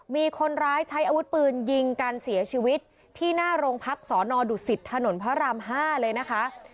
มีคนร้ายใช้อาวุธปืนยิงกันเสียชีวิตที่หน้าโรงพักสอนอดุสิตถนนพระราม๕เลยนะคะ